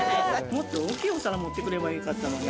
もっと大きいお皿持ってくればいかったのに。